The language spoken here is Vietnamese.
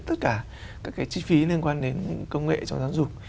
tất cả các cái chi phí liên quan đến công nghệ trong giáo dục